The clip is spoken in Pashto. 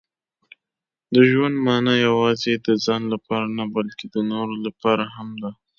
• د ژوند مانا یوازې د ځان لپاره نه، بلکې د نورو لپاره هم ده.